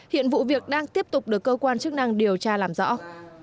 hiện vụ việc đang tiếp tục được cơ quan chức năng điều tra làm rõ